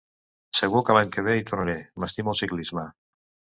Segur que l'any que ve hi tornaré, m'estimo el ciclisme.